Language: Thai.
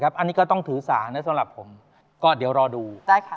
ครับอันนี้ก็ต้องถือสารนะสำหรับผมก็เดียวรอดูได้ค่ะ